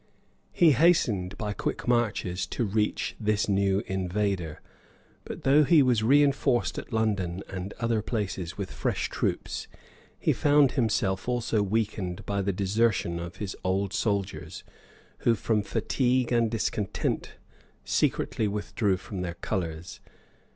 He hastened by quick marches to reach this new invader; but though he was reènforced at London and other places with fresh troops, he found himself also weakened by the desertion of his old soldiers, who from fatigue and discontent secretly withdrew from their colors.